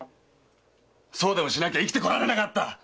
そうでもしなきゃ生きてこられなかった！